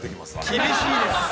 ◆厳しいです。